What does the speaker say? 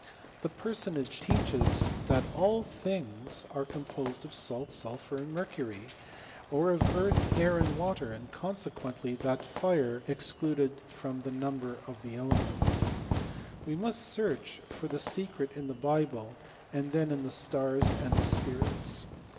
This personage teaches that 170 . HISTORY OF CHEMISTRY. all things are composed of salt, sulphur, and mercury, or of earth, air, and water; and consequently that fire is excluded from the number of the elements. We must search for the secret in the Bible, and then in the stars and the spirits.